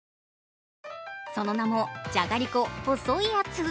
その名も、じゃがりこ細いやつ。